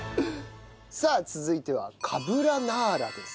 さあ続いてはカブラナーラです。